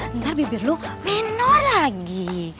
ntar bibir lu minum lagi